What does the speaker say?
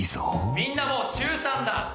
みんなもう中３だ。